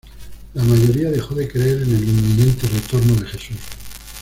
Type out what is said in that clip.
La mayoría dejó de creer en el inminente retorno de Jesús.